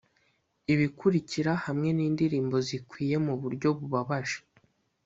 'ibikurikira hamwe nindirimbo zikwiye muburyo bubabaje